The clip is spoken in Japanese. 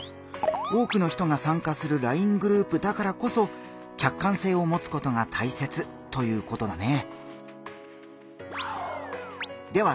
多くの人が参加するＬＩＮＥグループだからこそ客観性をもつことがたいせつということだね。